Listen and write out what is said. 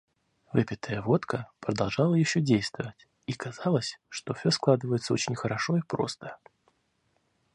Выпитая водка продолжала еще действовать, и казалось, что все складывается очень хорошо и просто.